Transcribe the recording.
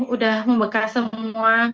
udah membekas semua